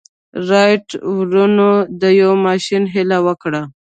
رايټ وروڼو د يوه ماشين هيله وکړه.